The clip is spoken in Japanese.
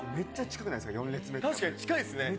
確かに近いっすね。